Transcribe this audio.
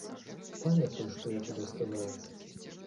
Памятай, што я табе сказаў.